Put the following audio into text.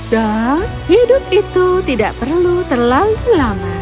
dan hidup itu tidak perlu terlalu lama